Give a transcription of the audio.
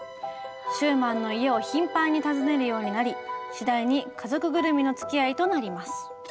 シューマンの家を頻繁に訪ねるようになり次第に家族ぐるみのつきあいとなります。